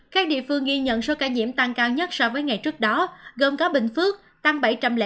các địa phương ghi nhận số ca nhiễm tăng cao nhất so với ngày trước đó gồm có bình phước tăng bảy trăm linh ba